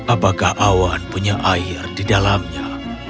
apakah awan punya air di dalamnya